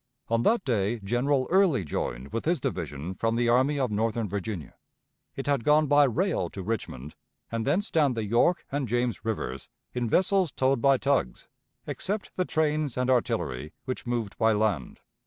On that day General Early joined with his division from the Army of Northern Virginia. It had gone by rail to Richmond and thence down the York and James Rivers in vessels towed by tugs except the trains and artillery, which moved by land.